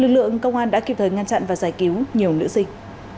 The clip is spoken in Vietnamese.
lực lượng công an đã kịp thời ngăn chặn và giải cứu nhiều nữ sinh